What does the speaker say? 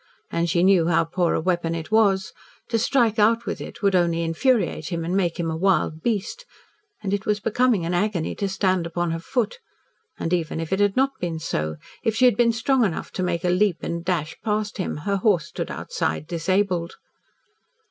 And she knew how poor a weapon it was. To strike out with it would only infuriate him and make him a wild beast. And it was becoming an agony to stand upon her foot. And even if it had not been so if she had been strong enough to make a leap and dash past him, her horse stood outside disabled.